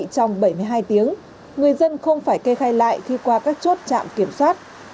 trong bảy mươi hai tiếng người dân không phải kê khai lại khi qua các chốt trạm kiểm soát